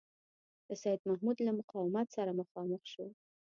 د سیدمحمود له مقاومت سره مخامخ شو.